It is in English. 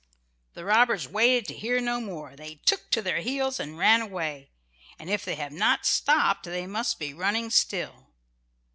'" The robbers waited to hear no more; they took to their heels and ran away, and if they have not stopped they must be running still.